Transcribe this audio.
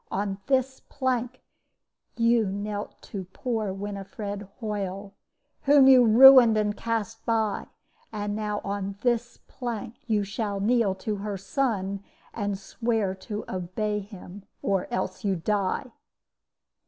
On this plank you knelt to poor Winifred Hoyle, whom you ruined and cast by; and now on this plank you shall kneel to her son and swear to obey him or else you die!'